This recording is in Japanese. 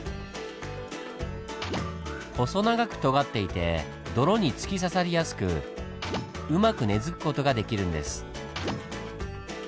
細長くとがっていて泥に突き刺さりやすくうまく根づく事ができるんです。